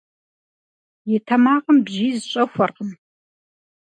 И тэмакъым бжьиз щӀэхуэркъым.